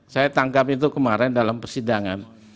saya tangkap itu kemarin dalam persidangan